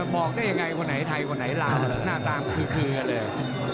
บอกได้ยังไงวันไหนไทยวันไหนลาวหน้าตาคือเลย